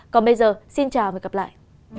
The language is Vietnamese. còn bây giờ xin chào và gặp lại